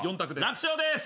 楽勝です。